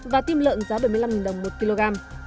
và tim lợn giá bảy mươi năm đồng một kg